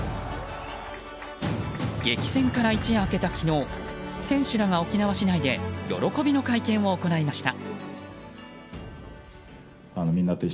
激戦から一夜明けた昨日選手らが沖縄市内で喜びの会見を行いました。